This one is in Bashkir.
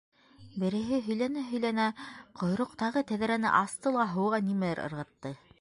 Береһе һөйләнә-һөйләнә ҡойроҡтағы тәҙрәне асты ла һыуға нимәлер ырғытты.